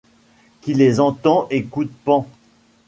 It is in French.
Qui les entend écoute Pan.